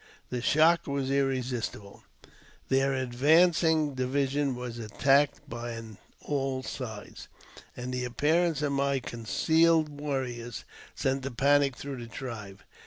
The shock was irresistible ; their advancing division was attacked on all sides, and the appearance of my concealed warriors sent a panic through the tribe.